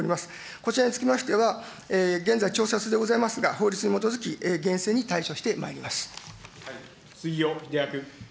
こちらにつきましては、現在、調査中でございますが、法律に基づ杉尾秀哉君。